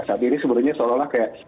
saat ini sebenarnya seolah olah kayak